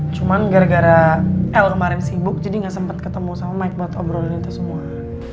cuman gara gara l kemarin sibuk jadi gak sempat ketemu sama mike buat obrolin itu semua